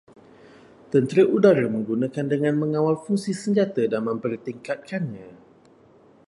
Tentera udara menggunakan dengan mengawal fungsi senjata dan mempertingkatkannya